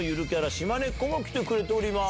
しまねっこも来てくれております。